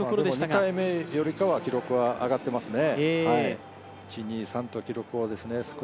２回目よりかは、記録は上がっていますね。